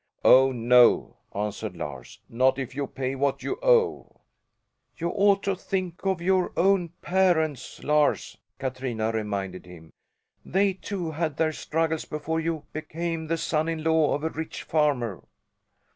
"Oh, no," answered Lars, "not if you pay what you owe." "You ought to think of your own parents, Lars," Katrina reminded him. "They, too, had their struggles before you became the son in law of a rich farmer."